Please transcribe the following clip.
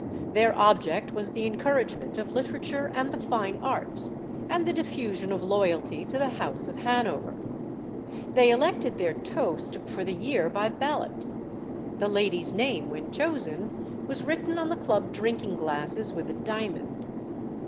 Their object was the encouragement of literature and the fine arts, and the diffusion of loyalty to the House of Hanover. They elected their "toast" for the year by ballot. The lady's name, when chosen, was written on the club drinking glasses with a diamond.